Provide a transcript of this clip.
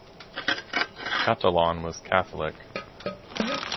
Catalon was Catholic.